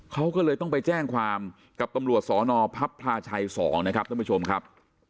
เขาก็เลยต้องไปแจ้งความกับตำรวจสนพับพลาชัย๒นะครับท่านผู้ชมครับ